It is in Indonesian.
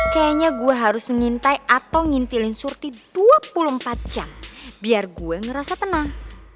kayaknya gue harus mengintai atau ngintilin surti dua puluh empat jam biar gue ngerasa tenang